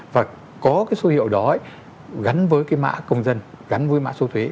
và có cái số hiệu đó gắn với cái mã công dân gắn với mã số thuế